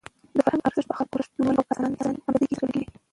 د فرهنګ ارزښت په اخلاقي رښتینولۍ او په انساني همدردۍ کې څرګندېږي.